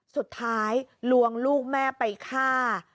สุดท้ายลวงลูกแม่ไปฆ่า